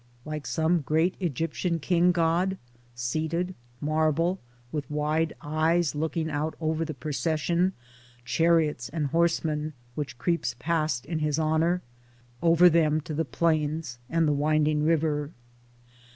— Like some great Egyptian King God, seated, marble, with wide eyes looking out over the procession, chariots and horsemen, which creeps past in his honour — over them to the plains and the winding river.